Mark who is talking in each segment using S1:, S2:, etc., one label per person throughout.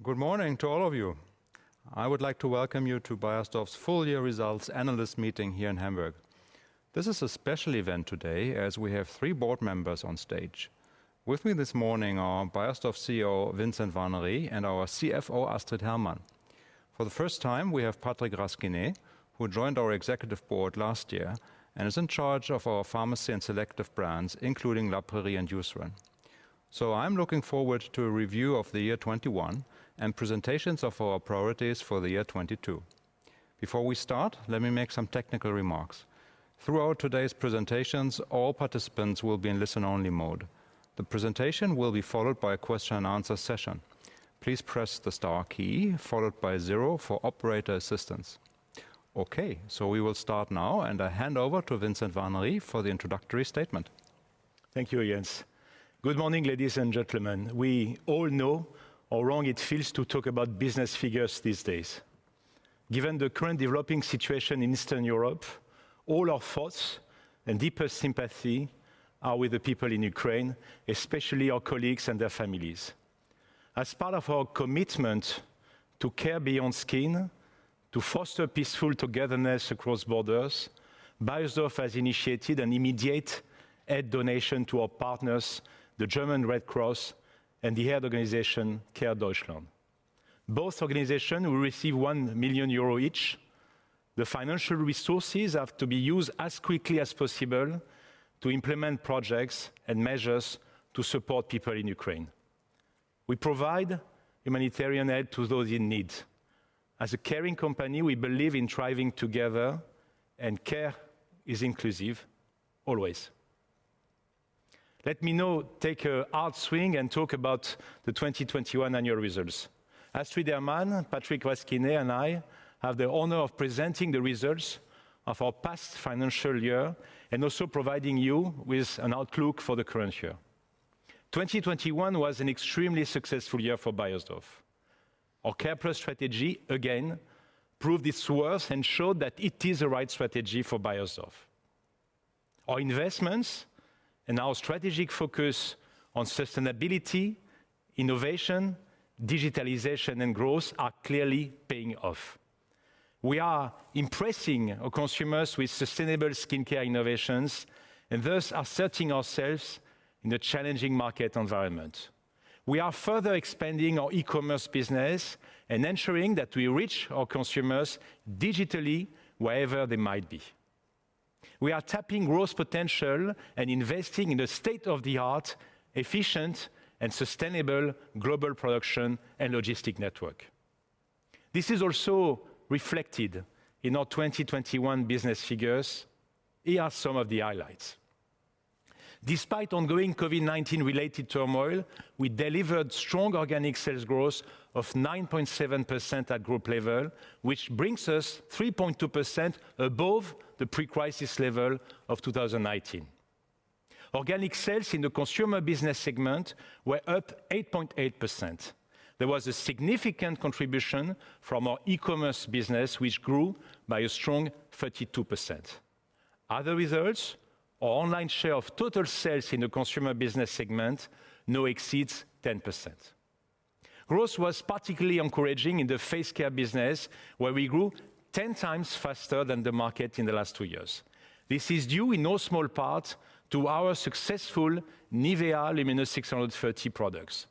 S1: Good morning to all of you. I would like to welcome you to Beiersdorf's full year results analyst meeting here in Hamburg. This is a special event today as we have three board members on stage. With me this morning are Beiersdorf CEO Vincent Warnery and our CFO Astrid Hermann. For the first time, we have Patrick Rasquinet, who joined our executive board last year and is in charge of our pharmacy and selective brands, including La Prairie and Eucerin. I'm looking forward to a review of the year 2021, and presentations of our priorities for the year 2022. Before we start, let me make some technical remarks. Throughout today's presentations, all participants will be in listen-only mode. The presentation will be followed by a question and answer session. Please press the star key followed by zero for operator assistance. Okay, we will start now, and I hand over to Vincent Warnery for the introductory statement.
S2: Thank you, Jens. Good morning, ladies and gentlemen. We all know how wrong it feels to talk about business figures these days. Given the current developing situation in Eastern Europe, all our thoughts and deepest sympathy are with the people in Ukraine, especially our colleagues and their families. As part of our commitment to care beyond skin, to foster peaceful togetherness across borders, Beiersdorf has initiated an immediate aid donation to our partners, the German Red Cross and the aid organization CARE Deutschland. Both organizations will receive 1 million euro each. The financial resources have to be used as quickly as possible to implement projects and measures to support people in Ukraine. We provide humanitarian aid to those in need. As a caring company, we believe in thriving together, and care is inclusive always. Let me now take a hard swing and talk about the 2021 annual results. Astrid Hermann, Patrick Rasquinet, and I have the honor of presenting the results of our past financial year and also providing you with an outlook for the current year. 2021 was an extremely successful year for Beiersdorf. Our Care+ strategy again proved its worth and showed that it is the right strategy for Beiersdorf. Our investments and our strategic focus on sustainability, innovation, digitalization, and growth are clearly paying off. We are impressing our consumers with sustainable skincare innovations and thus asserting ourselves in a challenging market environment. We are further expanding our e-commerce business and ensuring that we reach our consumers digitally wherever they might be. We are tapping growth potential and investing in a state-of-the-art, efficient, and sustainable global production and logistics network. This is also reflected in our 2021 business figures. Here are some of the highlights. Despite ongoing COVID-19 related turmoil, we delivered strong organic sales growth of 9.7% at group level, which brings us 3.2% above the pre-crisis level of 2019. Organic sales in the consumer business segment were up 8.8%. There was a significant contribution from our e-commerce business, which grew by a strong 32%. Other results, our online share of total sales in the consumer business segment now exceeds 10%. Growth was particularly encouraging in the face care business, where we grew 10 times faster than the market in the last 2 years. This is due in no small part to our successful NIVEA Luminous630 products.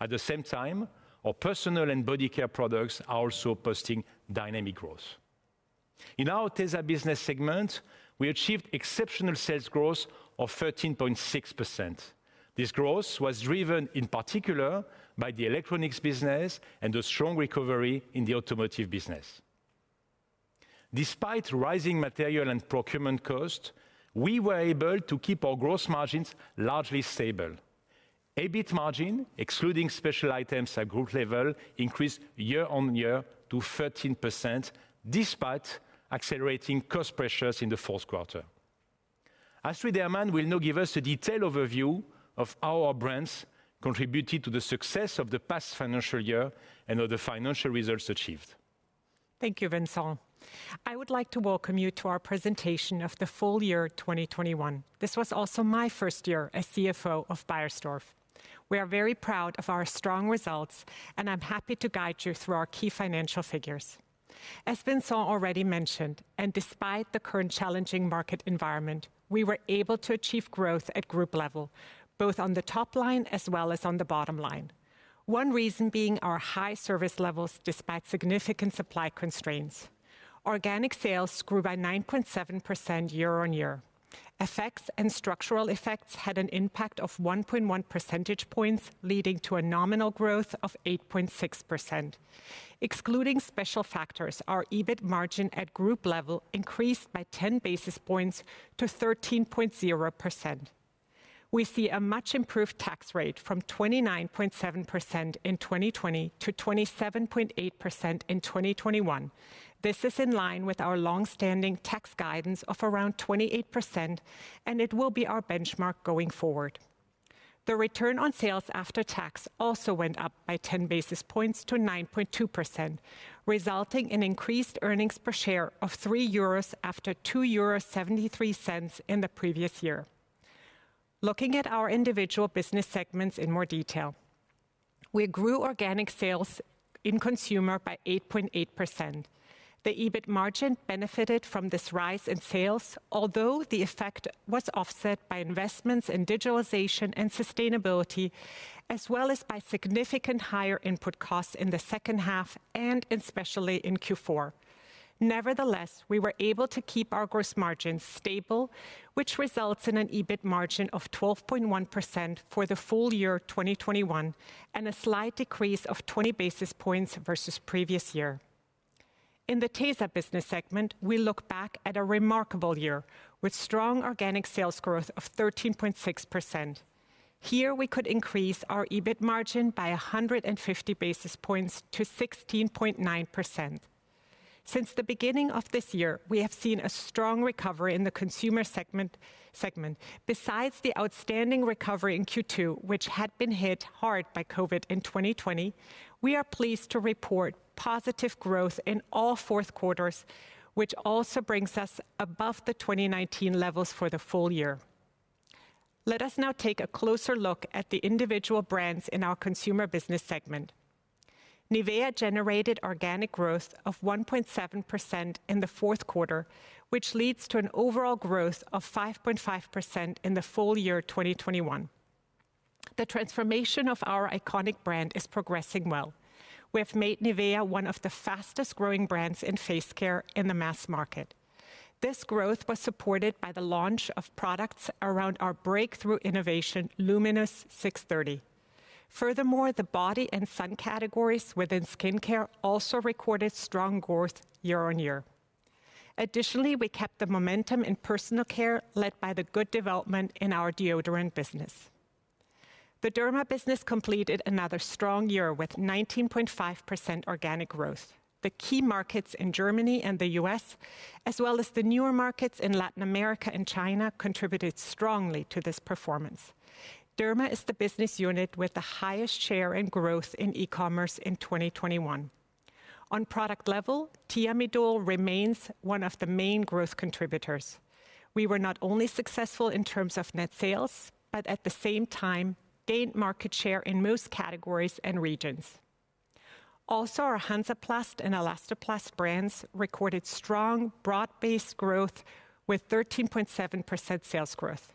S2: At the same time, our personal and body care products are also posting dynamic growth. In our Tesa business segment, we achieved exceptional sales growth of 13.6%. This growth was driven in particular by the electronics business and a strong recovery in the automotive business. Despite rising material and procurement costs, we were able to keep our gross margins largely stable. EBIT margin, excluding special items at group level, increased year-on-year to 13% despite accelerating cost pressures in the fourth quarter. Astrid Hermann will now give us a detailed overview of how our brands contributed to the success of the past financial year and of the financial results achieved.
S3: Thank you, Vincent. I would like to welcome you to our presentation of the full year 2021. This was also my first year as CFO of Beiersdorf. We are very proud of our strong results, and I'm happy to guide you through our key financial figures. As Vincent already mentioned, despite the current challenging market environment, we were able to achieve growth at group level, both on the top line as well as on the bottom line, one reason being our high service levels despite significant supply constraints. Organic sales grew by 9.7% year-on-year. FX and structural effects had an impact of 1.1 percentage points, leading to a nominal growth of 8.6%. Excluding special factors, our EBIT margin at group level increased by 10 basis points to 13.0%. We see a much improved tax rate from 29.7% in 2020 to 27.8% in 2021. This is in line with our long-standing tax guidance of around 28%, and it will be our benchmark going forward. The return on sales after tax also went up by 10 basis points to 9.2%, resulting in increased earnings per share of 3 euros after 2.73 euros in the previous year. Looking at our individual business segments in more detail. We grew organic sales in Consumer by 8.8%. The EBIT margin benefited from this rise in sales, although the effect was offset by investments in digitalization and sustainability, as well as by significant higher input costs in the second half and especially in Q4. Nevertheless, we were able to keep our gross margin stable, which results in an EBIT margin of 12.1% for the full year 2021, and a slight decrease of 20 basis points versus previous year. In the Tesa business segment, we look back at a remarkable year with strong organic sales growth of 13.6%. Here, we could increase our EBIT margin by 150 basis points to 16.9%. Since the beginning of this year, we have seen a strong recovery in the consumer segment. Besides the outstanding recovery in Q2, which had been hit hard by COVID in 2020, we are pleased to report positive growth in all four quarters, which also brings us above the 2019 levels for the full year. Let us now take a closer look at the individual brands in our consumer business segment. NIVEA generated organic growth of 1.7% in the fourth quarter, which leads to an overall growth of 5.5% in the full year 2021. The transformation of our iconic brand is progressing well. We have made NIVEA one of the fastest-growing brands in face care in the mass market. This growth was supported by the launch of products around our breakthrough innovation, Luminous630. Furthermore, the body and sun categories within skincare also recorded strong growth year-on-year. Additionally, we kept the momentum in personal care led by the good development in our deodorant business. The Derma business completed another strong year with 19.5% organic growth. The key markets in Germany and the U.S., as well as the newer markets in Latin America and China, contributed strongly to this performance. Derma is the business unit with the highest share in growth in e-commerce in 2021. On product level, Thiamidol remains one of the main growth contributors. We were not only successful in terms of net sales, but at the same time gained market share in most categories and regions. Also, our Hansaplast and Elastoplast brands recorded strong, broad-based growth with 13.7% sales growth.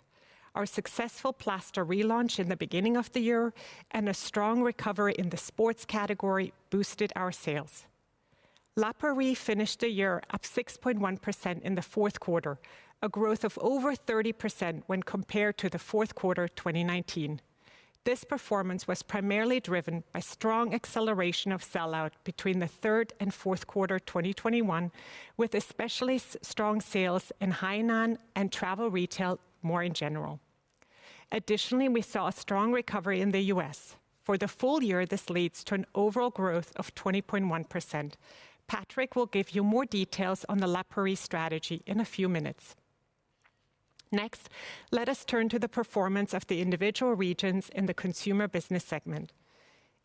S3: Our successful plaster relaunch in the beginning of the year and a strong recovery in the sports category boosted our sales. La Prairie finished the year up 6.1% in the fourth quarter, a growth of over 30% when compared to the fourth quarter 2019. This performance was primarily driven by strong acceleration of sell-out between the third and fourth quarter 2021, with especially strong sales in Hainan and travel retail more in general. Additionally, we saw a strong recovery in the U.S. For the full year, this leads to an overall growth of 20.1%. Patrick will give you more details on the La Prairie strategy in a few minutes. Next, let us turn to the performance of the individual regions in the consumer business segment.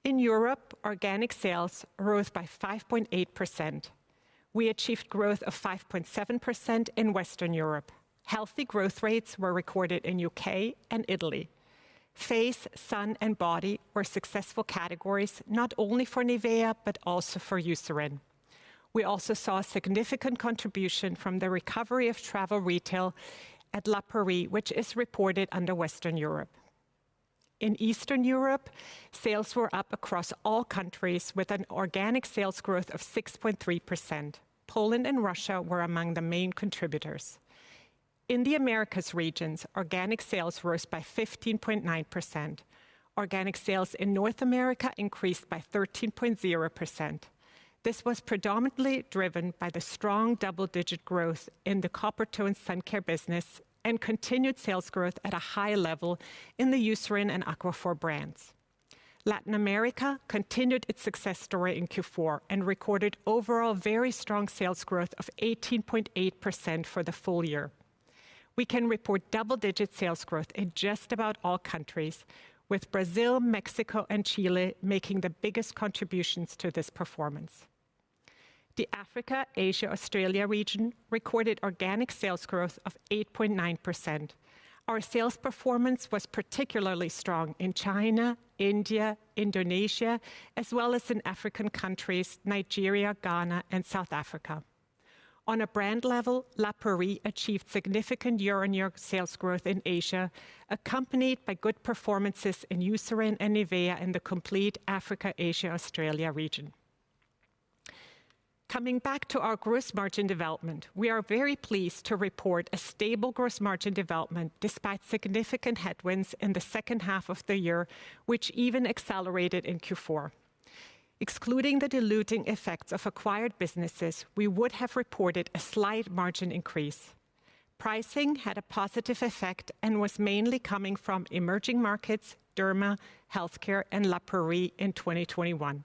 S3: In Europe, organic sales rose by 5.8%. We achieved growth of 5.7% in Western Europe. Healthy growth rates were recorded in U.K. and Italy. Face, sun, and body were successful categories, not only for NIVEA, but also for Eucerin. We also saw a significant contribution from the recovery of travel retail at La Prairie, which is reported under Western Europe. In Eastern Europe, sales were up across all countries with an organic sales growth of 6.3%. Poland and Russia were among the main contributors. In the Americas regions, organic sales rose by 15.9%. Organic sales in North America increased by 13.0%. This was predominantly driven by the strong double-digit growth in the Coppertone sun care business and continued sales growth at a high level in the Eucerin and Aquaphor brands. Latin America continued its success story in Q4 and recorded overall very strong sales growth of 18.8% for the full year. We can report double-digit sales growth in just about all countries, with Brazil, Mexico, and Chile making the biggest contributions to this performance. The Africa, Asia, Australia region recorded organic sales growth of 8.9%. Our sales performance was particularly strong in China, India, Indonesia, as well as in African countries, Nigeria, Ghana, and South Africa. On a brand level, La Prairie achieved significant year-on-year sales growth in Asia, accompanied by good performances in Eucerin and NIVEA in the complete Africa, Asia, Australia region. Coming back to our gross margin development, we are very pleased to report a stable gross margin development despite significant headwinds in the second half of the year, which even accelerated in Q4. Excluding the diluting effects of acquired businesses, we would have reported a slight margin increase. Pricing had a positive effect and was mainly coming from emerging markets, Derma, Health Care, and La Prairie in 2021.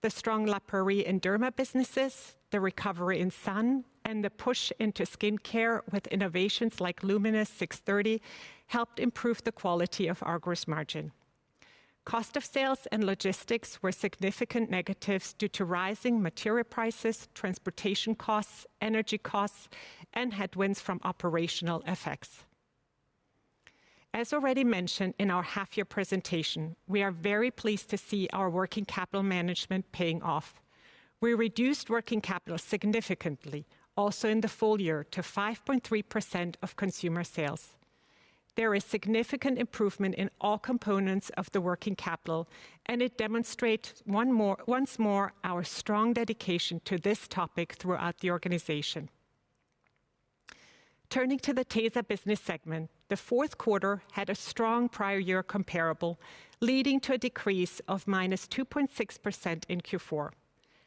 S3: The strong La Prairie and Derma businesses, the recovery in sun, and the push into skincare with innovations like Luminous630 helped improve the quality of our gross margin. Cost of sales and logistics were significant negatives due to rising material prices, transportation costs, energy costs, and headwinds from operational effects. As already mentioned in our half-year presentation, we are very pleased to see our working capital management paying off. We reduced working capital significantly, also in the full year to 5.3% of consumer sales. There is significant improvement in all components of the working capital, and it demonstrate once more our strong dedication to this topic throughout the organization. Turning to the Tesa business segment, the fourth quarter had a strong prior year comparable, leading to a decrease of -2.6% in Q4.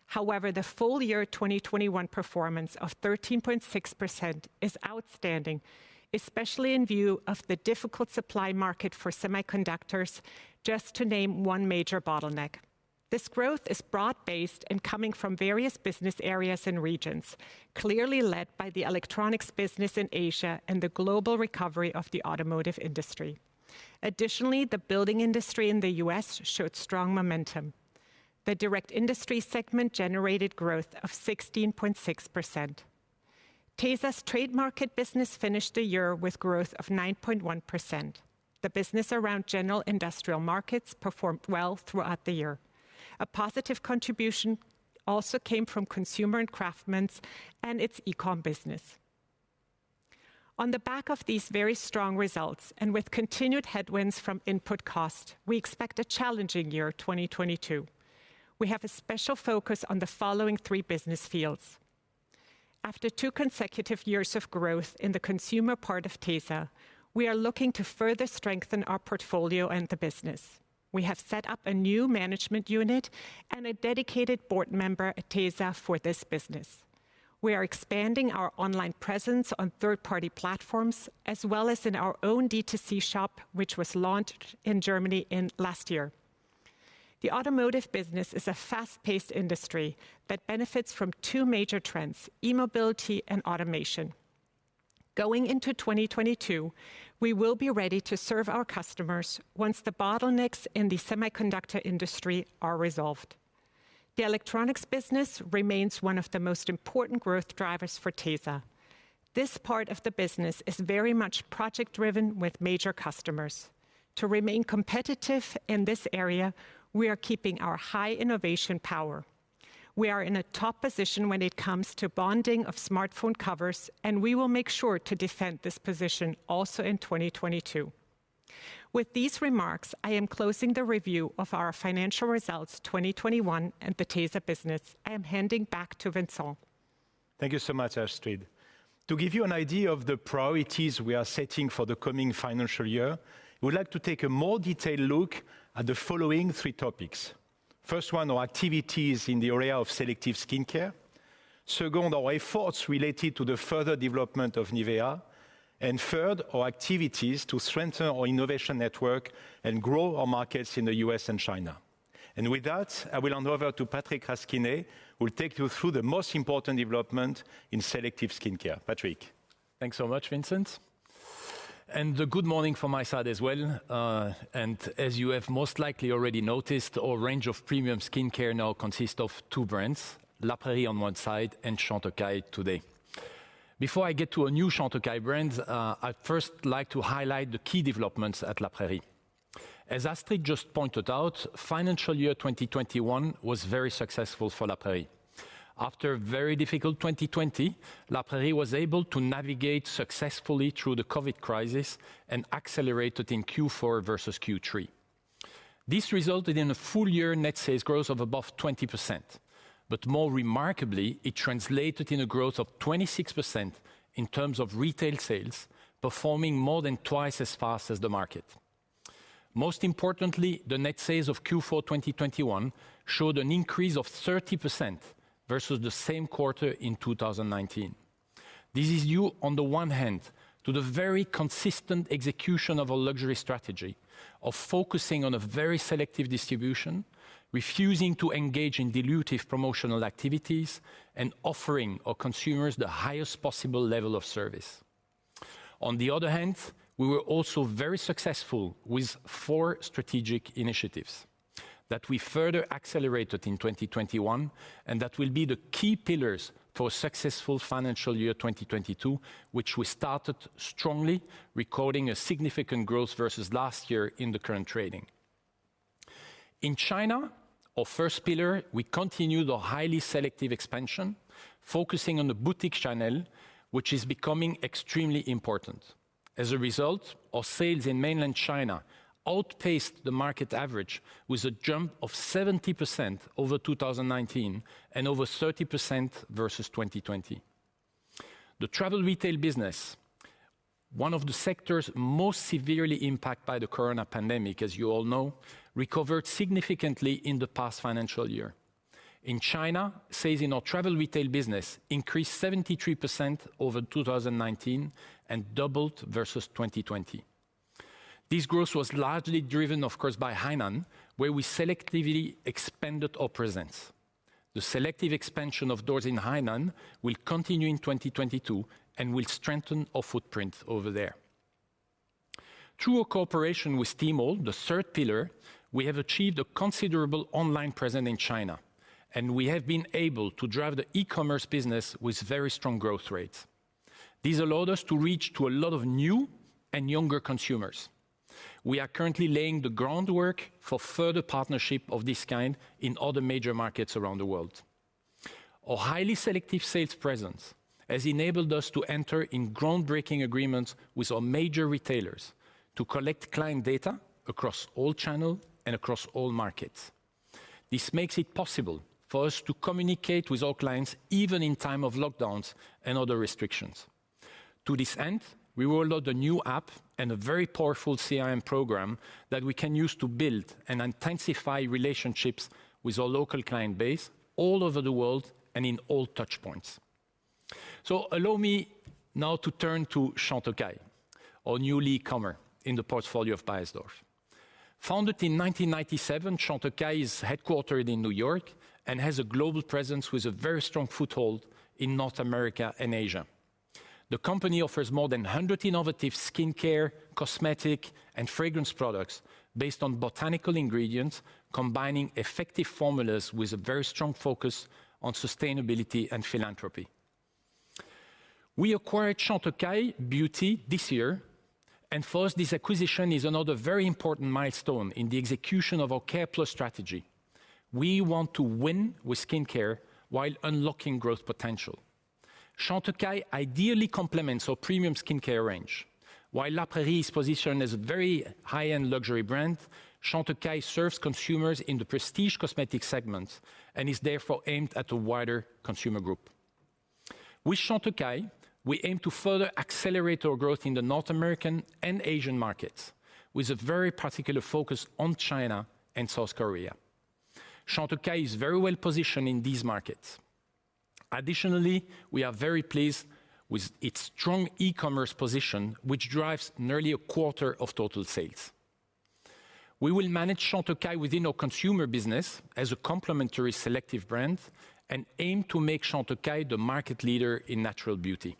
S3: However, the full year 2021 performance of 13.6% is outstanding, especially in view of the difficult supply market for semiconductors, just to name one major bottleneck. This growth is broad-based and coming from various business areas and regions, clearly led by the electronics business in Asia and the global recovery of the automotive industry. Additionally, the building industry in the U.S. showed strong momentum. The direct industry segment generated growth of 16.6%. Tesa's trade market business finished the year with growth of 9.1%. The business around general industrial markets performed well throughout the year. A positive contribution also came from consumer and craftsmen's and its e-com business. On the back of these very strong results, and with continued headwinds from input costs, we expect a challenging year, 2022. We have a special focus on the following three business fields. After two consecutive years of growth in the consumer part of Tesa, we are looking to further strengthen our portfolio and the business. We have set up a new management unit and a dedicated board member at Tesa for this business. We are expanding our online presence on third-party platforms as well as in our own D2C shop, which was launched in Germany last year. The automotive business is a fast-paced industry that benefits from two major trends, e-mobility and automation. Going into 2022, we will be ready to serve our customers once the bottlenecks in the semiconductor industry are resolved. The electronics business remains one of the most important growth drivers for Tesa. This part of the business is very much project-driven with major customers. To remain competitive in this area, we are keeping our high innovation power. We are in a top position when it comes to bonding of smartphone covers, and we will make sure to defend this position also in 2022. With these remarks, I am closing the review of our financial results 2021 and the Tesa business. I am handing back to Vincent.
S2: Thank you so much, Astrid. To give you an idea of the priorities we are setting for the coming financial year, we would like to take a more detailed look at the following three topics. First one, our activities in the area of selective skincare. Second, our efforts related to the further development of NIVEA. And third, our activities to strengthen our innovation network and grow our markets in the U.S. and China. With that, I will hand over to Patrick Rasquinet, who will take you through the most important development in selective skincare. Patrick.
S4: Thanks so much, Vincent. Good morning from my side as well. As you have most likely already noticed, our range of premium skincare now consists of two brands, La Prairie on one side and Chantecaille today. Before I get to our new Chantecaille brands, I'd first like to highlight the key developments at La Prairie. As Astrid just pointed out, financial year 2021 was very successful for La Prairie. After a very difficult 2020, La Prairie was able to navigate successfully through the COVID-19 crisis and accelerated in Q4 versus Q3. This resulted in a full-year net sales growth of above 20%. More remarkably, it translated in a growth of 26% in terms of retail sales, performing more than twice as fast as the market. Most importantly, the net sales of Q4 2021 showed an increase of 30% versus the same quarter in 2019. This is due, on the one hand, to the very consistent execution of our luxury strategy of focusing on a very selective distribution, refusing to engage in dilutive promotional activities, and offering our consumers the highest possible level of service. On the other hand, we were also very successful with four strategic initiatives that we further accelerated in 2021 and that will be the key pillars for successful financial year 2022, which we started strongly, recording a significant growth versus last year in the current trading. In China, our first pillar, we continued our highly selective expansion, focusing on the boutique channel, which is becoming extremely important. As a result, our sales in mainland China outpaced the market average with a jump of 70% over 2019 and over 30% versus 2020. The travel retail business, one of the sectors most severely impacted by the COVID-19 pandemic, as you all know, recovered significantly in the past financial year. In China, sales in our travel retail business increased 73% over 2019 and doubled versus 2020. This growth was largely driven, of course, by Hainan, where we selectively expanded our presence. The selective expansion of stores in Hainan will continue in 2022 and will strengthen our footprint over there. Through our cooperation with Tmall, the third pillar, we have achieved a considerable online presence in China, and we have been able to drive the e-commerce business with very strong growth rates. This allowed us to reach out to a lot of new and younger consumers. We are currently laying the groundwork for further partnerships of this kind in other major markets around the world. Our highly selective sales presence has enabled us to enter into groundbreaking agreements with our major retailers to collect client data across all channels and across all markets. This makes it possible for us to communicate with our clients even in time of lockdowns and other restrictions. To this end, we will launch a new app and a very powerful CRM program that we can use to build and intensify relationships with our local client base all over the world and in all touch points. Allow me now to turn to Chantecaille, our newcomer in the portfolio of Beiersdorf. Founded in 1997, Chantecaille is headquartered in New York and has a global presence with a very strong foothold in North America and Asia. The company offers more than 100 innovative skincare, cosmetic, and fragrance products based on botanical ingredients, combining effective formulas with a very strong focus on sustainability and philanthropy. We acquired Chantecaille Beauty this year, and for us, this acquisition is another very important milestone in the execution of our Care+ strategy. We want to win with skincare while unlocking growth potential. Chantecaille ideally complements our premium skincare range. While La Prairie is positioned as a very high-end luxury brand, Chantecaille serves consumers in the prestige cosmetic segment and is therefore aimed at a wider consumer group. With Chantecaille, we aim to further accelerate our growth in the North American and Asian markets with a very particular focus on China and South Korea. Chantecaille is very well positioned in these markets. Additionally, we are very pleased with its strong e-commerce position, which drives nearly a quarter of total sales. We will manage Chantecaille within our consumer business as a complementary selective brand and aim to make Chantecaille the market leader in natural beauty.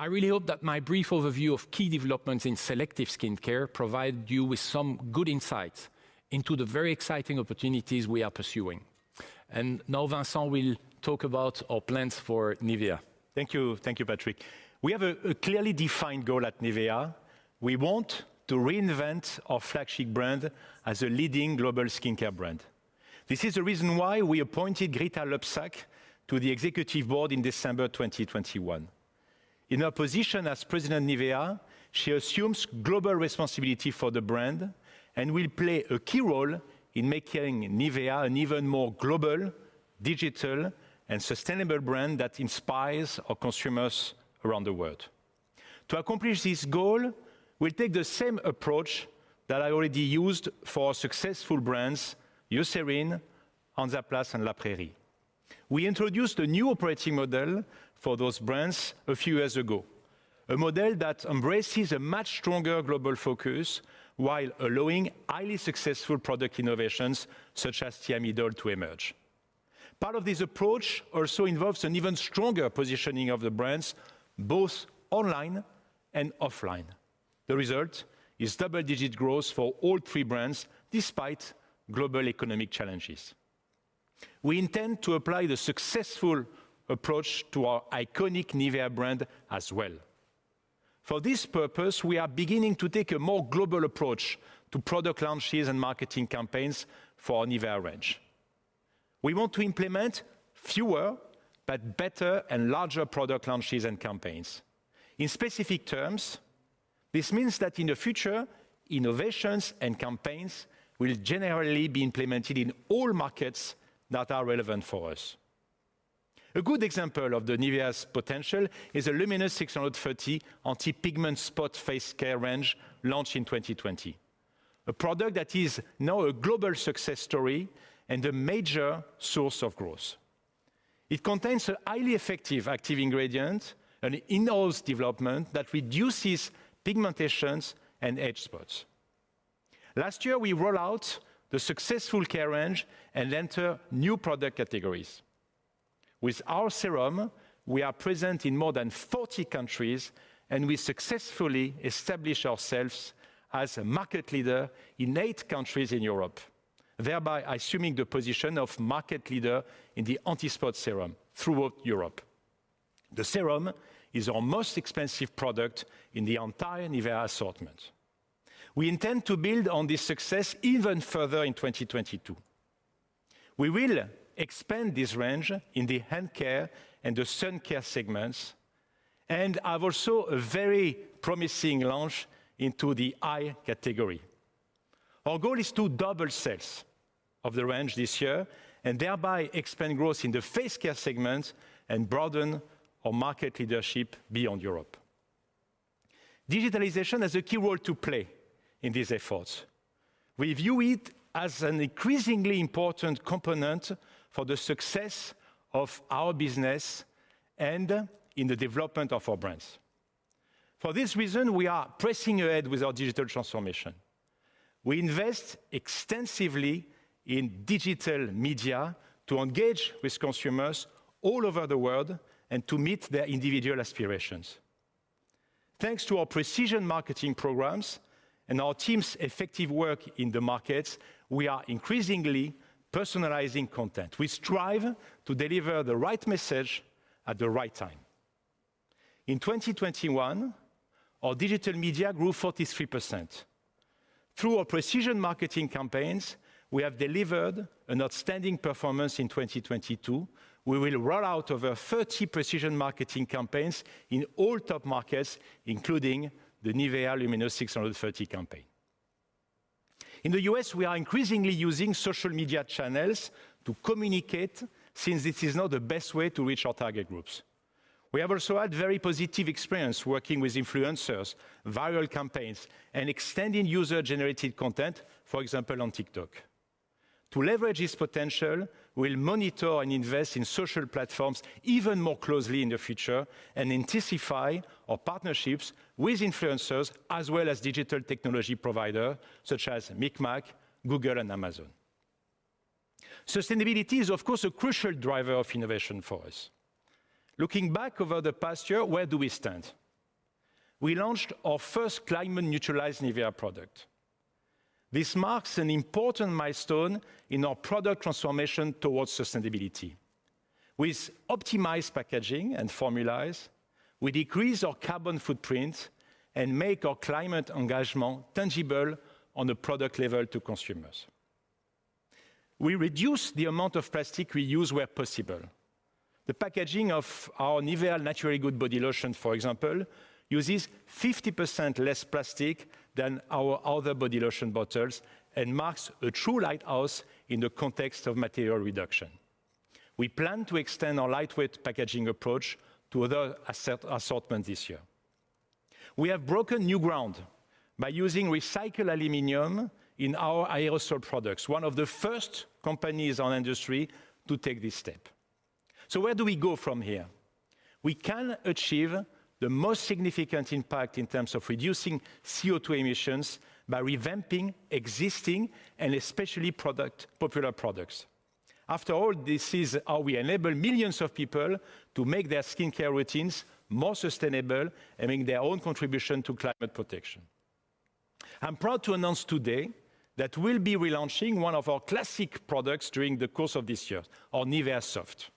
S4: I really hope that my brief overview of key developments in selective skincare provided you with some good insights into the very exciting opportunities we are pursuing. Now Vincent will talk about our plans for NIVEA.
S2: Thank you. Thank you, Patrick. We have a clearly defined goal at NIVEA. We want to reinvent our flagship brand as a leading global skincare brand. This is the reason why we appointed Grita Loebsack to the executive board in December 2021. In her position as President NIVEA, she assumes global responsibility for the brand and will play a key role in making NIVEA an even more global, digital, and sustainable brand that inspires our consumers around the world. To accomplish this goal, we'll take the same approach that I already used for our successful brands, Eucerin, Hansaplast, and La Prairie. We introduced a new operating model for those brands a few years ago, a model that embraces a much stronger global focus while allowing highly successful product innovations such as Thiamidol to emerge. Part of this approach also involves an even stronger positioning of the brands, both online and offline. The result is double-digit growth for all three brands despite global economic challenges. We intend to apply the successful approach to our iconic NIVEA brand as well. For this purpose, we are beginning to take a more global approach to product launches and marketing campaigns for our NIVEA range. We want to implement fewer but better and larger product launches and campaigns. In specific terms, this means that in the future, innovations and campaigns will generally be implemented in all markets that are relevant for us. A good example of NIVEA's potential is the Luminous630 Anti-Pigment Spot face care range launched in 2020. A product that is now a global success story and a major source of growth. It contains a highly effective active ingredient, an in-house development that reduces pigmentations and age spots. Last year, we roll out the successful care range and enter new product categories. With our serum, we are present in more than 40 countries, and we successfully establish ourselves as a market leader in 8 countries in Europe, thereby assuming the position of market leader in the anti-spot serum throughout Europe. The serum is our most expensive product in the entire NIVEA assortment. We intend to build on this success even further in 2022. We will expand this range in the hand care and the sun care segments and have also a very promising launch into the eye category. Our goal is to double sales of the range this year and thereby expand growth in the face care segment and broaden our market leadership beyond Europe. Digitalization has a key role to play in these efforts. We view it as an increasingly important component for the success of our business and in the development of our brands. For this reason, we are pressing ahead with our digital transformation. We invest extensively in digital media to engage with consumers all over the world and to meet their individual aspirations. Thanks to our precision marketing programs and our team's effective work in the markets, we are increasingly personalizing content. We strive to deliver the right message at the right time. In 2021, our digital media grew 43%. Through our precision marketing campaigns, we have delivered an outstanding performance in 2022. We will roll out over 30 precision marketing campaigns in all top markets, including the NIVEA Luminous 630 campaign. In the U.S., we are increasingly using social media channels to communicate since this is now the best way to reach our target groups. We have also had very positive experience working with influencers, viral campaigns, and extending user-generated content, for example, on TikTok. To leverage this potential, we'll monitor and invest in social platforms even more closely in the future and intensify our partnerships with influencers as well as digital technology provider such as MikMak, Google, and Amazon. Sustainability is, of course, a crucial driver of innovation for us. Looking back over the past year, where do we stand? We launched our first climate-neutralized NIVEA product. This marks an important milestone in our product transformation towards sustainability. With optimized packaging and formulas, we decrease our carbon footprint and make our climate engagement tangible on the product level to consumers. We reduce the amount of plastic we use where possible. The packaging of our NIVEA Naturally Good body lotion, for example, uses 50% less plastic than our other body lotion bottles and marks a true lighthouse in the context of material reduction. We plan to extend our lightweight packaging approach to other assortment this year. We have broken new ground by using recycled aluminum in our aerosol products, one of the first companies in industry to take this step. Where do we go from here? We can achieve the most significant impact in terms of reducing CO2 emissions by revamping existing and especially popular products. After all, this is how we enable millions of people to make their skincare routines more sustainable and make their own contribution to climate protection. I'm proud to announce today that we'll be relaunching one of our classic products during the course of this year, our NIVEA Soft.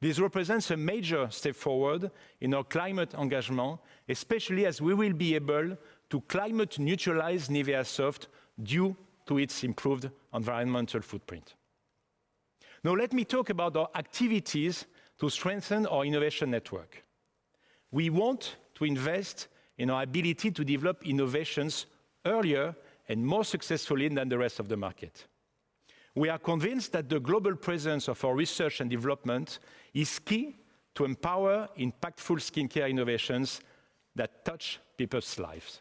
S2: This represents a major step forward in our climate engagement, especially as we will be able to climate neutralize NIVEA Soft due to its improved environmental footprint. Now let me talk about our activities to strengthen our innovation network. We want to invest in our ability to develop innovations earlier and more successfully than the rest of the market. We are convinced that the global presence of our research and development is key to empower impactful skincare innovations that touch people's lives.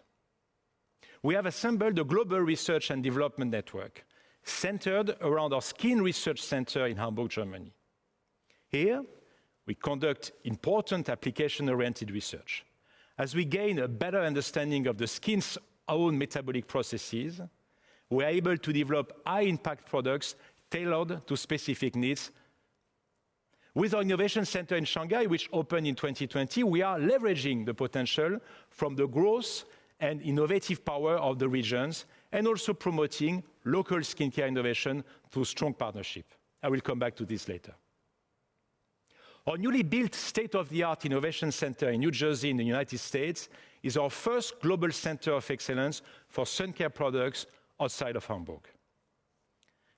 S2: We have assembled a global research and development network centered around our skin research center in Hamburg, Germany. Here, we conduct important application-oriented research. As we gain a better understanding of the skin's own metabolic processes, we are able to develop high-impact products tailored to specific needs. With our innovation center in Shanghai, which opened in 2020, we are leveraging the potential from the growth and innovative power of the regions and also promoting local skincare innovation through strong partnership. I will come back to this later. Our newly built state-of-the-art innovation center in New Jersey in the United States is our first global center of excellence for sun care products outside of Hamburg.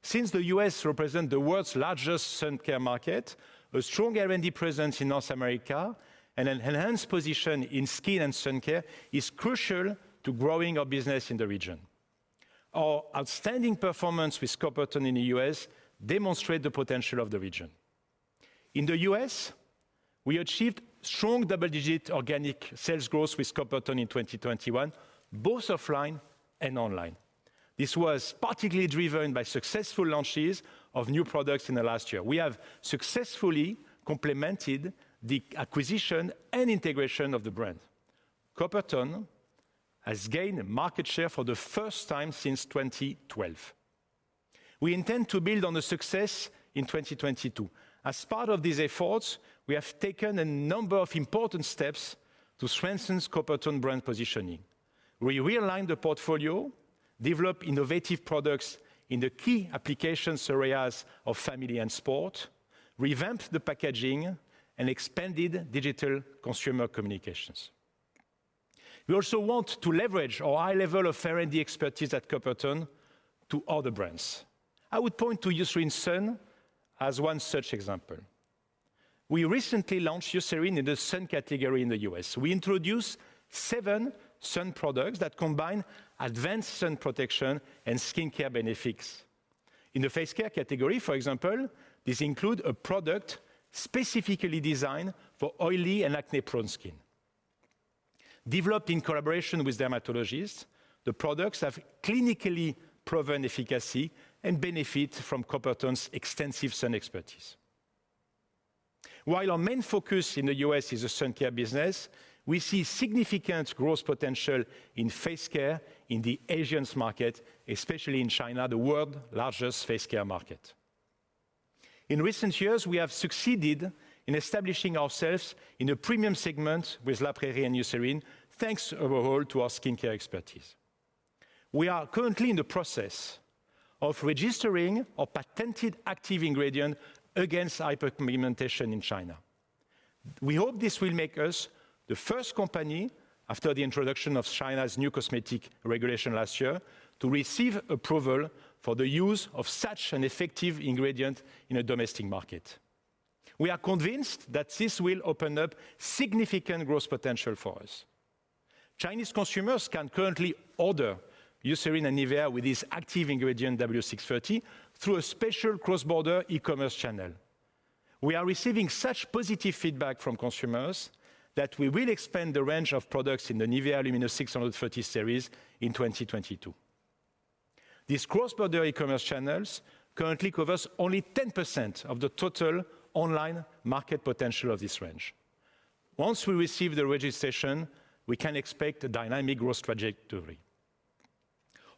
S2: Since the U.S. represents the world's largest sun care market, a strong R&D presence in North America and an enhanced position in skin and sun care is crucial to growing our business in the region. Our outstanding performance with Coppertone in the U.S. demonstrates the potential of the region. In the U.S., we achieved strong double-digit organic sales growth with Coppertone in 2021, both offline and online. This was particularly driven by successful launches of new products in the last year. We have successfully complemented the acquisition and integration of the brand. Coppertone has gained market share for the first time since 2012. We intend to build on the success in 2022. As part of these efforts, we have taken a number of important steps to strengthen Coppertone brand positioning. We realigned the portfolio, developed innovative products in the key application areas of family and sport, revamped the packaging, and expanded digital consumer communications. We also want to leverage our high level of R&D expertise at Coppertone to other brands. I would point to Eucerin Sun as one such example. We recently launched Eucerin in the sun category in the U.S. We introduced 7 sun products that combine advanced sun protection and skincare benefits. In the face care category, for example, this include a product specifically designed for oily and acne-prone skin. Developed in collaboration with dermatologists, the products have clinically proven efficacy and benefit from Coppertone's extensive sun expertise. While our main focus in the U.S. is the sun care business, we see significant growth potential in face care in the Asian market, especially in China, the world's largest face care market. In recent years, we have succeeded in establishing ourselves in a premium segment with La Prairie and Eucerin, thanks to our overall skincare expertise. We are currently in the process of registering a patented active ingredient against hyperpigmentation in China. We hope this will make us the first company, after the introduction of China's new cosmetic regulation last year, to receive approval for the use of such an effective ingredient in a domestic market. We are convinced that this will open up significant growth potential for us. Chinese consumers can currently order Eucerin and NIVEA with this active ingredient, Luminous630, through a special cross-border e-commerce channel. We are receiving such positive feedback from consumers that we will expand the range of products in the NIVEA Luminous630 series in 2022. These cross-border e-commerce channels currently cover only 10% of the total online market potential of this range. Once we receive the registration, we can expect a dynamic growth trajectory.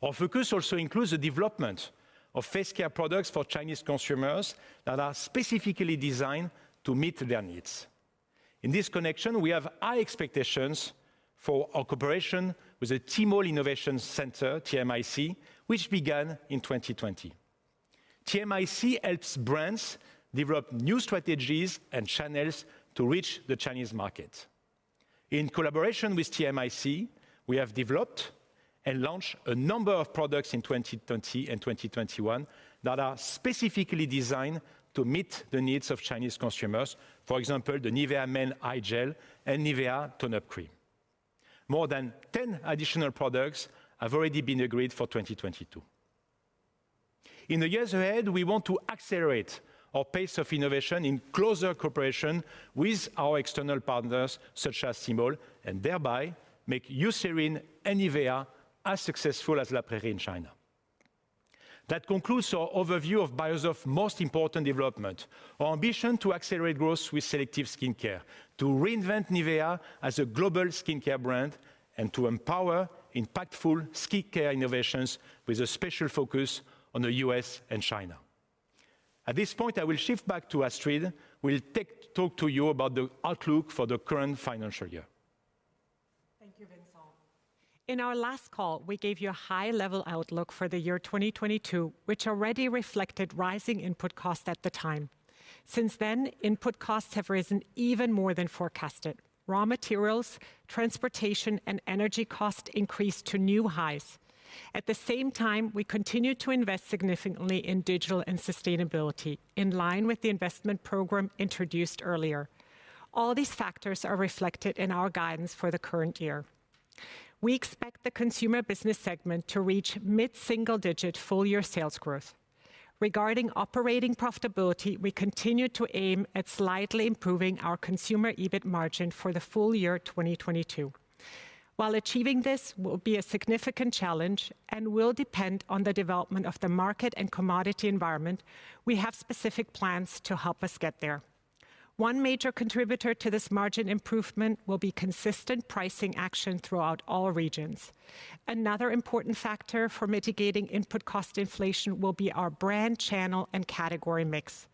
S2: Our focus also includes the development of face care products for Chinese consumers that are specifically designed to meet their needs. In this connection, we have high expectations for our cooperation with the Tmall Innovation Center, TMIC, which began in 2020. TMIC helps brands develop new strategies and channels to reach the Chinese market. In collaboration with TMIC, we have developed and launched a number of products in 2020 and 2021 that are specifically designed to meet the needs of Chinese consumers. For example, the NIVEA Men Eye Gel and NIVEA Tone Up Cream. More than 10 additional products have already been agreed for 2022. In the years ahead, we want to accelerate our pace of innovation in closer cooperation with our external partners, such as Tmall, and thereby make Eucerin and NIVEA as successful as La Prairie in China. That concludes our overview of Beiersdorf's most important development. Our ambition to accelerate growth with selective skincare, to reinvent NIVEA as a global skincare brand, and to empower impactful skincare innovations with a special focus on the U.S. and China. At this point, I will shift back to Astrid, who will talk to you about the outlook for the current financial year.
S3: Thank you, Vincent. In our last call, we gave you a high level outlook for the year 2022, which already reflected rising input costs at the time. Since then, input costs have risen even more than forecasted. Raw materials, transportation, and energy costs increased to new highs. At the same time, we continued to invest significantly in digital and sustainability, in line with the investment program introduced earlier. All these factors are reflected in our guidance for the current year. We expect the consumer business segment to reach mid-single digit full-year sales growth. Regarding operating profitability, we continue to aim at slightly improving our consumer EBIT margin for the full year 2022. While achieving this will be a significant challenge and will depend on the development of the market and commodity environment, we have specific plans to help us get there. One major contributor to this margin improvement will be consistent pricing action throughout all regions. Another important factor for mitigating input cost inflation will be our brand channel and category mix.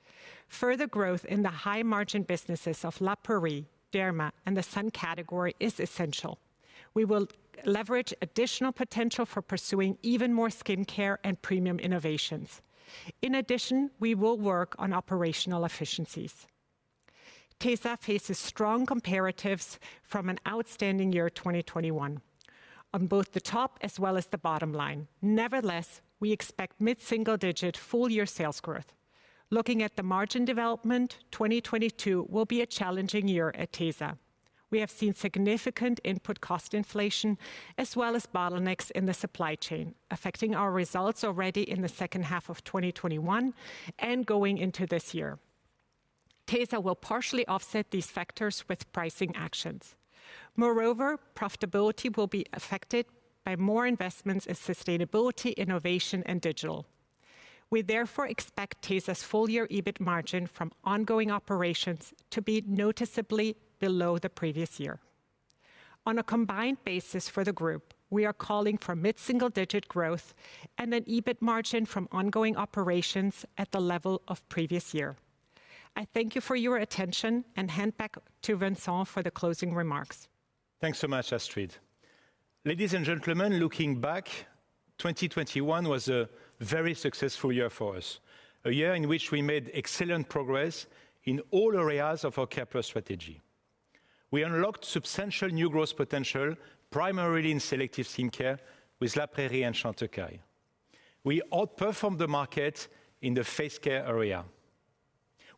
S3: Further growth in the high-margin businesses of La Prairie, Derma, and the sun category is essential. We will leverage additional potential for pursuing even more skincare and premium innovations. In addition, we will work on operational efficiencies. Tesa faces strong comparatives from an outstanding year, 2021, on both the top as well as the bottom line. Nevertheless, we expect mid-single digit full-year sales growth. Looking at the margin development, 2022 will be a challenging year at Tesa. We have seen significant input cost inflation as well as bottlenecks in the supply chain, affecting our results already in the second half of 2021 and going into this year. Tesa will partially offset these factors with pricing actions. Moreover, profitability will be affected by more investments in sustainability, innovation, and digital. We therefore expect Tesa's full-year EBIT margin from ongoing operations to be noticeably below the previous year. On a combined basis for the group, we are calling for mid-single-digit growth and an EBIT margin from ongoing operations at the level of previous year. I thank you for your attention and hand back to Vincent for the closing remarks.
S2: Thanks so much, Astrid. Ladies and gentlemen, looking back, 2021 was a very successful year for us. A year in which we made excellent progress in all areas of our Care+ strategy. We unlocked substantial new growth potential, primarily in selective skincare with La Prairie and Chantecaille. We outperformed the market in the face care area.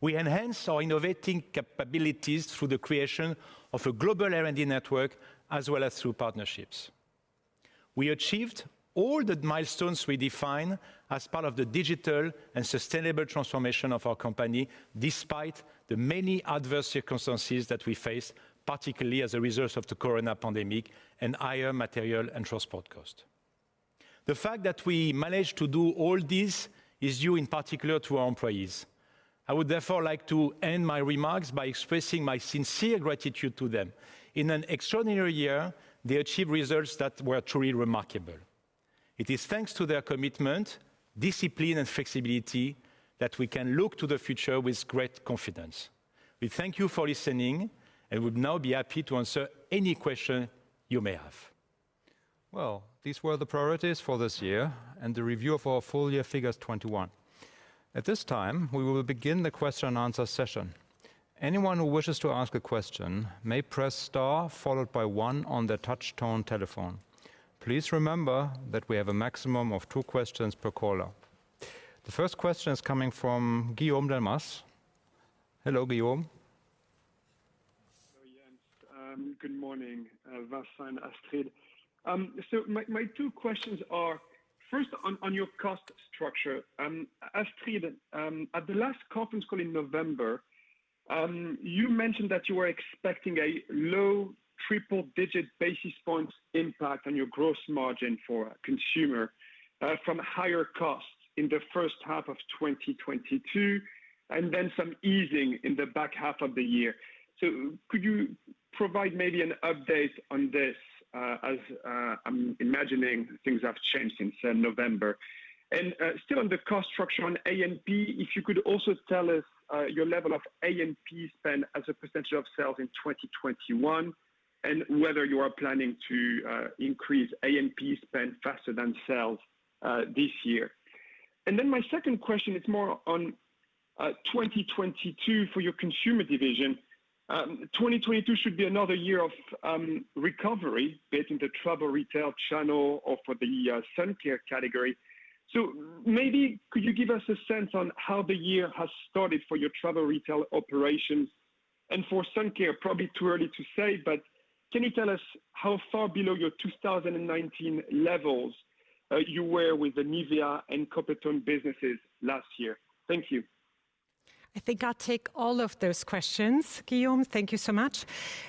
S2: We enhanced our innovation capabilities through the creation of a global R&D network as well as through partnerships. We achieved all the milestones we define as part of the digital and sustainable transformation of our company, despite the many adverse circumstances that we face, particularly as a result of the COVID-19 pandemic and higher material and transport costs. The fact that we managed to do all this is due in particular to our employees. I would therefore like to end my remarks by expressing my sincere gratitude to them. In an extraordinary year, they achieved results that were truly remarkable. It is thanks to their commitment, discipline, and flexibility that we can look to the future with great confidence. We thank you for listening and would now be happy to answer any question you may have.
S1: Well, these were the priorities for this year and the review of our full year figures 2021. At this time, we will begin the question and answer session. Anyone who wishes to ask a question may press star followed by one on their touchtone telephone. Please remember that we have a maximum of two questions per caller. The first question is coming from Guillaume Delmas. Hello, Guillaume.
S5: Hello, Jens. Good morning, Vincent and Astrid. My two questions are, first on your cost structure. Astrid, at the last conference call in November, you mentioned that you were expecting a low triple-digit basis points impact on your gross margin for consumer from higher costs in the first half of 2022, and then some easing in the back half of the year. Could you provide maybe an update on this? As I'm imagining things have changed since November. Still on the cost structure on A&P, if you could also tell us your level of A&P spend as a percentage of sales in 2021, and whether you are planning to increase A&P spend faster than sales this year. Then my second question is more on 2022 for your consumer division. 2022 should be another year of recovery based on the travel retail channel or for the sun care category. Maybe could you give us a sense on how the year has started for your travel retail operations? For sun care, probably too early to say, but can you tell us how far below your 2019 levels you were with the NIVEA and Coppertone businesses last year? Thank you.
S3: I think I'll take all of those questions, Guillaume. Thank you so much.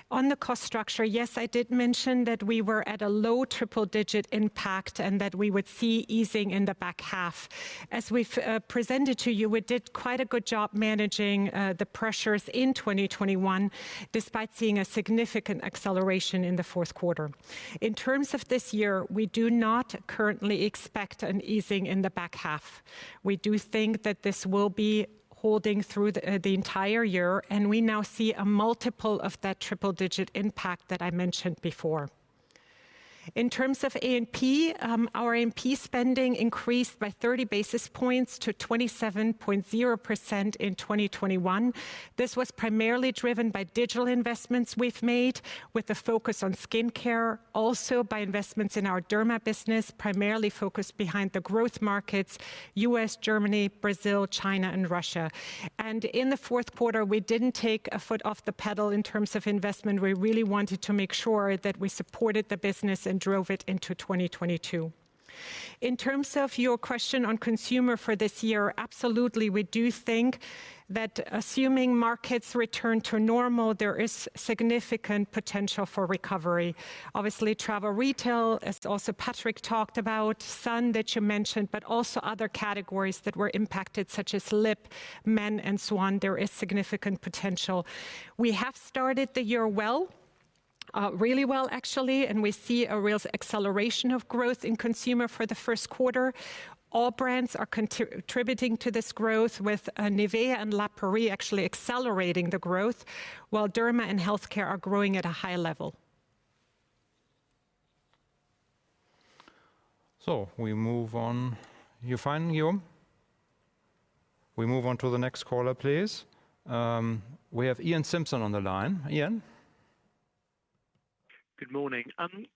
S3: On the cost structure, yes, I did mention that we were at a low triple digit impact and that we would see easing in the back half. As we've presented to you, we did quite a good job managing the pressures in 2021, despite seeing a significant acceleration in the fourth quarter. In terms of this year, we do not currently expect an easing in the back half. We do think that this will be holding through the entire year, and we now see a multiple of that triple digit impact that I mentioned before. In terms of A&P, our A&P spending increased by 30 basis points to 27.0% in 2021. This was primarily driven by digital investments we've made with the focus on skincare, also by investments in our Derma business, primarily focused behind the growth markets, U.S., Germany, Brazil, China and Russia. In the fourth quarter, we didn't take a foot off the pedal in terms of investment. We really wanted to make sure that we supported the business and drove it into 2022. In terms of your question on consumer for this year, absolutely, we do think that assuming markets return to normal, there is significant potential for recovery. Obviously, travel retail, as also Patrick talked about, sun that you mentioned, but also other categories that were impacted such as lip, men and so on, there is significant potential. We have started the year well, really well actually, and we see a real acceleration of growth in consumer for the first quarter. All brands are contributing to this growth with NIVEA and La Prairie actually accelerating the growth while Derma and Health Care are growing at a high level.
S1: We move on. You fine, Guillaume? We move on to the next caller, please. We have Iain Simpson on the line. Iain?
S6: Good morning.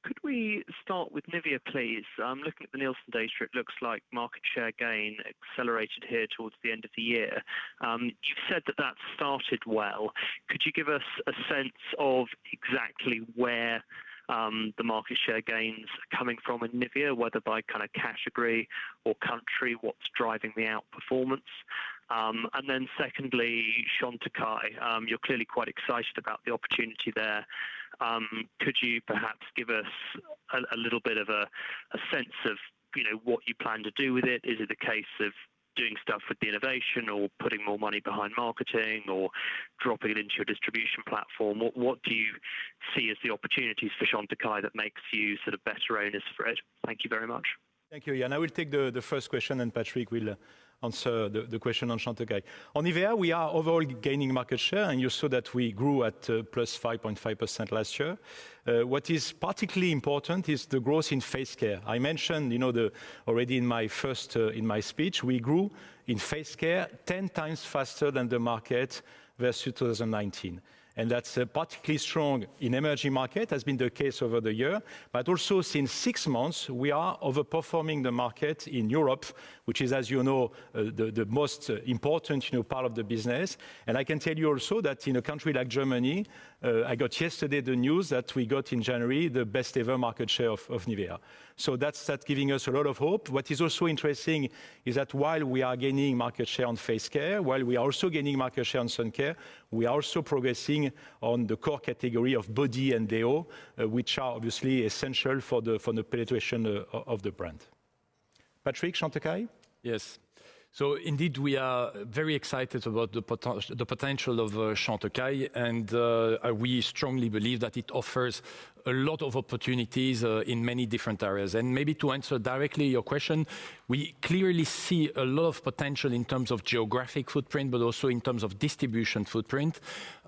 S6: Could we start with NIVEA, please? Looking at the Nielsen data, it looks like market share gain accelerated here towards the end of the year. You said that started well. Could you give us a sense of exactly where the market share gains are coming from in NIVEA, whether by kind of category or country, what's driving the outperformance? Secondly, Chantecaille. You're clearly quite excited about the opportunity there. Could you perhaps give us a little bit of a sense of, you know, what you plan to do with it? Is it a case of doing stuff with the innovation or putting more money behind marketing or dropping it into a distribution platform? What do you see as the opportunities for Chantecaille that makes you sort of better owners for it? Thank you very much.
S2: Thank you, Iain. I will take the first question and Patrick will answer the question on Chantecaille. On NIVEA, we are overall gaining market share, and you saw that we grew at +5.5% last year. What is particularly important is the growth in face care. I mentioned, you know, already in my first, in my speech, we grew in face care ten times faster than the market versus 2019. That's particularly strong in emerging market, has been the case over the year. But also since six months, we are overperforming the market in Europe, which is, as you know, the most important, you know, part of the business. I can tell you also that in a country like Germany, I got yesterday the news that we got in January the best ever market share of NIVEA. That's giving us a lot of hope. What is also interesting is that while we are gaining market share on face care, while we are also gaining market share on sun care, we are also progressing on the core category of body and deo, which are obviously essential for the penetration of the brand. Patrick, Chantecaille?
S4: Yes. Indeed, we are very excited about the potential of Chantecaille. We strongly believe that it offers a lot of opportunities in many different areas. Maybe to answer directly your question, we clearly see a lot of potential in terms of geographic footprint, but also in terms of distribution footprint.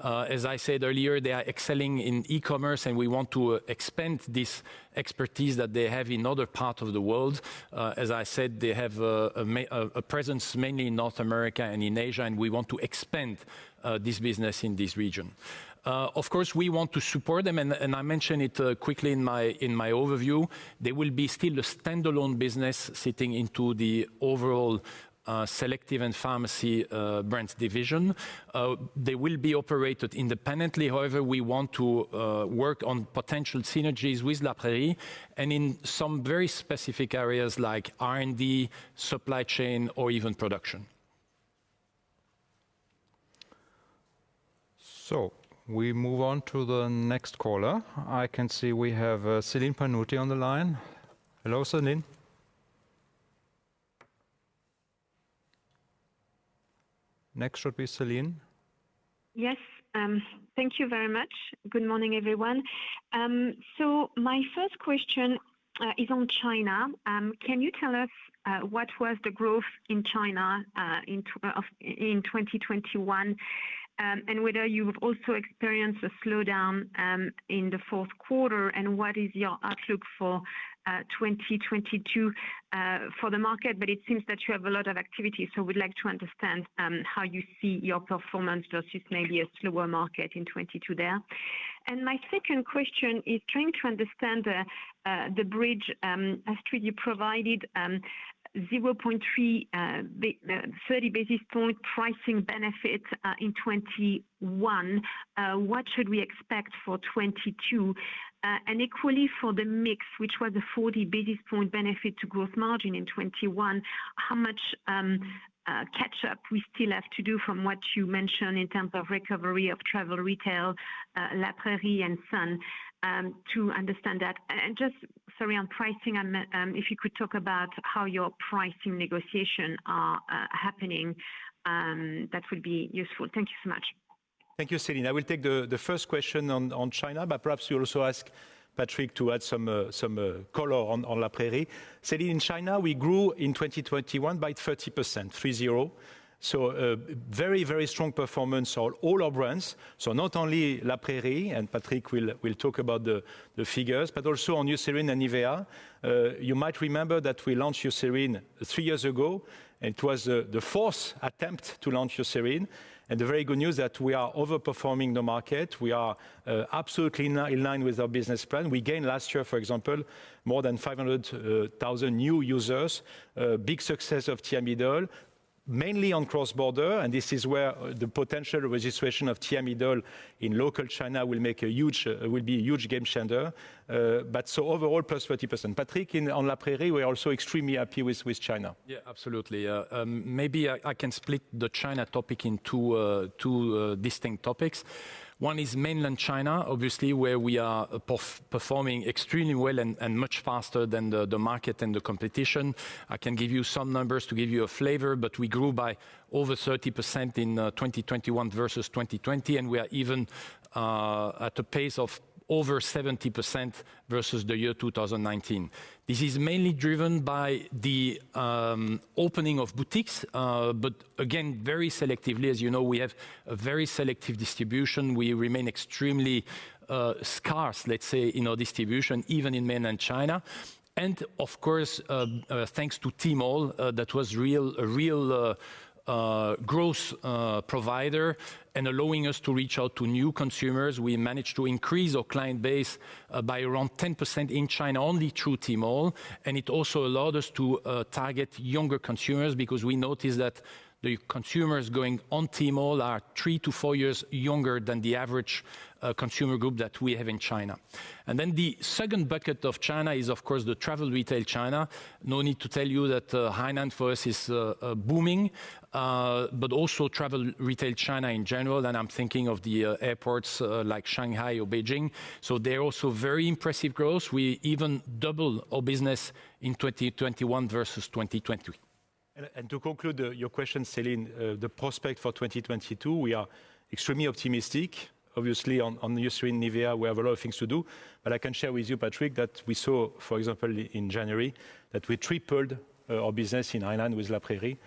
S4: As I said earlier, they are excelling in e-commerce, and we want to expand this expertise that they have in other part of the world. As I said, they have a presence mainly in North America and in Asia, and we want to expand this business in this region. Of course, we want to support them, and I mentioned it quickly in my overview. They will be still a standalone business sitting into the overall Selective and Pharmacy Brands Division. They will be operated independently. However, we want to work on potential synergies with La Prairie and in some very specific areas like R&D, supply chain, or even production.
S1: We move on to the next caller. I can see we have Celine Pannuti on the line. Hello, Celine. Next should be Celine.
S7: Yes, thank you very much. Good morning, everyone. So my first question is on China. Can you tell us what was the growth in China in 2021 and whether you have also experienced a slowdown in the fourth quarter, and what is your outlook for 2022 for the market? It seems that you have a lot of activity, so we'd like to understand how you see your performance versus maybe a slower market in 2022 there. My second question is trying to understand the bridge, Astrid, you provided, 0.3 thirty basis point pricing benefit in 2021. What should we expect for 2022? Equally for the mix, which was a 40 basis points benefit to gross margin in 2021, how much catch-up we still have to do from what you mentioned in terms of recovery of travel retail, La Prairie and Sun, to understand that. Just, sorry, on pricing, if you could talk about how your pricing negotiations are happening, that would be useful. Thank you so much.
S2: Thank you, Celine. I will take the first question on China, but perhaps you'll also ask Patrick to add some color on La Prairie. Celine, in China, we grew in 2021 by 30%. Very strong performance on all our brands. Not only La Prairie, and Patrick will talk about the figures, but also on Eucerin and NIVEA. You might remember that we launched Eucerin 3 years ago, and it was the fourth attempt to launch Eucerin. The very good news that we are overperforming the market. We are absolutely in line with our business plan. We gained last year, for example, more than 500,000 new users. Big success of Thiamidol, mainly on cross-border, and this is where the potential registration of Thiamidol in local China will be a huge game changer. Overall, +30%. Patrick, on La Prairie, we're also extremely happy with China.
S4: Yeah, absolutely. Maybe I can split the China topic into two distinct topics. One is mainland China, obviously, where we are performing extremely well and much faster than the market and the competition. I can give you some numbers to give you a flavor, but we grew by over 30% in 2021 versus 2020, and we are even at a pace of over 70% versus the year 2019. This is mainly driven by the opening of boutiques, but again, very selectively. As you know, we have a very selective distribution. We remain extremely scarce, let's say, in our distribution, even in mainland China. Of course, thanks to Tmall, that was a real growth provider and allowing us to reach out to new consumers. We managed to increase our client base by around 10% in China only through Tmall. It also allowed us to target younger consumers because we noticed that the consumers going on Tmall are 3-4 years younger than the average consumer group that we have in China. Then the second bucket of China is, of course, the travel retail China. No need to tell you that Hainan for us is booming, but also travel retail China in general, and I'm thinking of the airports like Shanghai or Beijing. They're also very impressive growth. We even double our business in 2021 versus 2020.
S2: To conclude your question, Celine, the prospect for 2022, we are extremely optimistic. Obviously, on Eucerin, NIVEA, we have a lot of things to do. I can share with you, Patrick, that we saw, for example, in January, that we tripled our business in Hainan with La Prairie.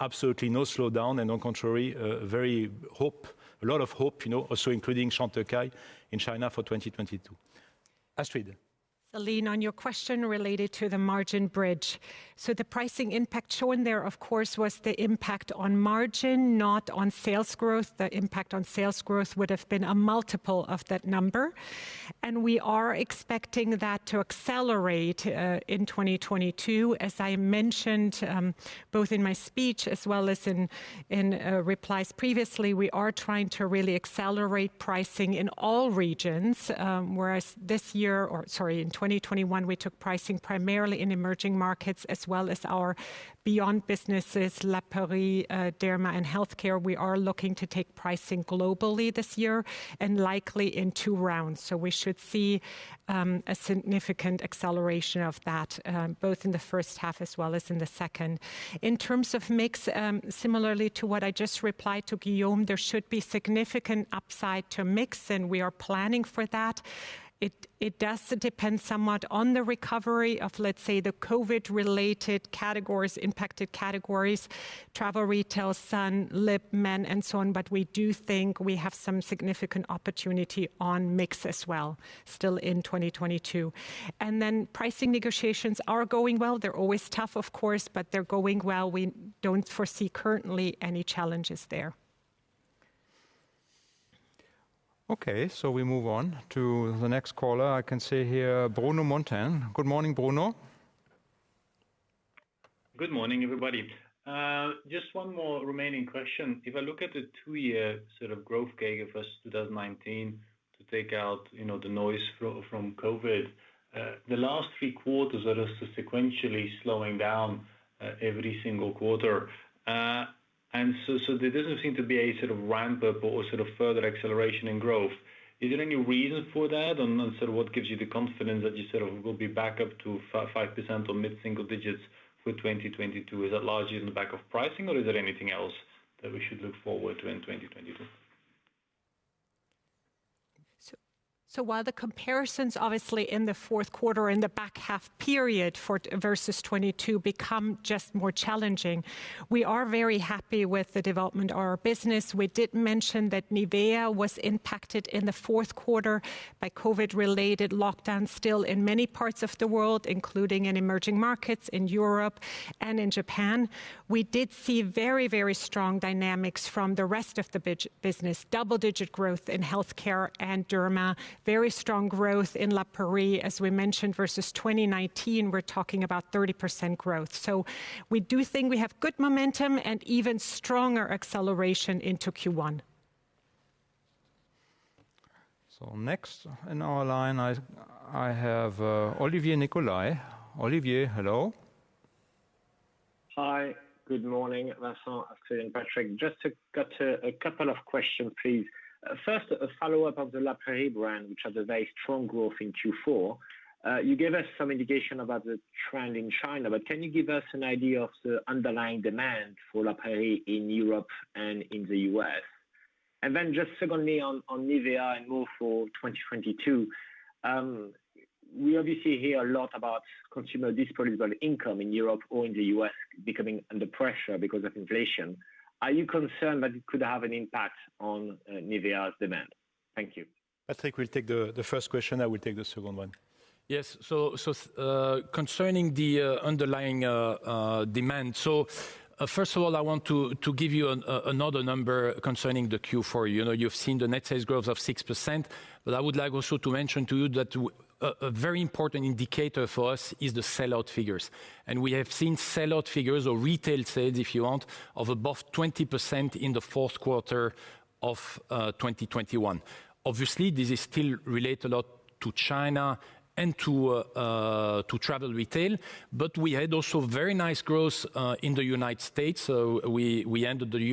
S2: Absolutely no slowdown and on the contrary, very hopeful, a lot of hope, you know, also including Chantecaille in China for 2022. Astrid.
S3: Celine, on your question related to the margin bridge. The pricing impact shown there, of course, was the impact on margin, not on sales growth. The impact on sales growth would have been a multiple of that number. We are expecting that to accelerate in 2022. As I mentioned, both in my speech as well as in replies previously, we are trying to really accelerate pricing in all regions. Whereas this year, or sorry, in 2021, we took pricing primarily in emerging markets as well as our beyond businesses, La Prairie, Derma and Health Care. We are looking to take pricing globally this year and likely in two rounds. We should see a significant acceleration of that, both in the first half as well as in the second. In terms of mix, similarly to what I just replied to Guillaume, there should be significant upside to mix, and we are planning for that. It does depend somewhat on the recovery of, let's say, the COVID-related categories, impacted categories, travel retail, sun, lip, men, and so on. We do think we have some significant opportunity on mix as well, still in 2022. Pricing negotiations are going well. They're always tough, of course, but they're going well. We don't foresee currently any challenges there.
S1: Okay, we move on to the next caller. I can see here, Bruno Monteyne. Good morning, Bruno.
S8: Good morning, everybody. Just one more remaining question. If I look at the two-year sort of growth CAGR, 2019 to 2020, you know, the noise from COVID, the last three quarters are just sequentially slowing down every single quarter. There doesn't seem to be any sort of ramp up or sort of further acceleration in growth. Is there any reason for that? What gives you the confidence that you will be back up to 5% or mid-single digits with 2022? Is that largely on the back of pricing or is there anything else that we should look forward to in 2022?
S3: While the comparisons obviously in the fourth quarter and the back half period versus 2022 become just more challenging, we are very happy with the development of our business. We did mention that NIVEA was impacted in the fourth quarter by COVID-related lockdowns still in many parts of the world, including in emerging markets in Europe and in Japan. We did see very, very strong dynamics from the rest of the business. Double-digit growth in Health Care and Derma. Very strong growth in La Prairie. As we mentioned, versus 2019, we're talking about 30% growth. We do think we have good momentum and even stronger acceleration into Q1.
S1: Next in our line I have Jean-Olivier Nicolai. Olivier, hello.
S9: Hi. Good morning, Vincent, Astrid, and Patrick. Got a couple of questions, please. First, a follow-up of the La Prairie brand, which had a very strong growth in Q4. You gave us some indication about the trend in China, but can you give us an idea of the underlying demand for La Prairie in Europe and in the U.S.? Just secondly, on NIVEA and more for 2022, we obviously hear a lot about consumer disposable income in Europe or in the U.S. becoming under pressure because of inflation. Are you concerned that it could have an impact on NIVEA's demand? Thank you.
S2: Patrick will take the first question, I will take the second one.
S4: Concerning the underlying demand. First of all, I want to give you another number concerning the Q4. You know, you've seen the net sales growth of 6%, but I would like also to mention to you that a very important indicator for us is the sellout figures. We have seen sellout figures or retail sales, if you want, of above 20% in the fourth quarter of 2021. Obviously, this is still relate a lot to China and to travel retail. We had also very nice growth in the United States, we ended the U-